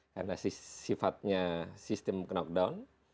karena sifatnya sistem knockdown